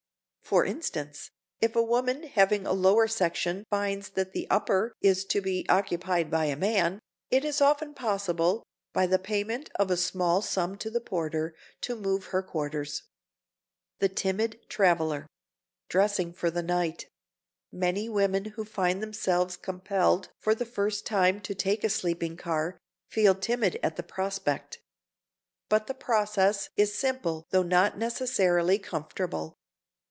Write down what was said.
For instance, if a woman having a lower section finds that the upper is to be occupied by a man, it is often possible, by the payment of a small sum to the porter, to move her quarters. [Sidenote: THE TIMID TRAVELER] [Sidenote: DRESSING FOR THE NIGHT] Many women who find themselves compelled for the first time to take a sleeping car, feel timid at the prospect. But the process is simple though not necessarily comfortable.